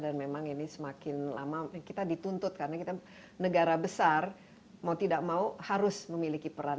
dan memang ini semakin lama kita dituntut karena kita negara besar mau tidak mau harus memiliki peran